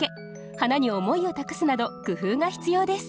花に思いを託すなど工夫が必要です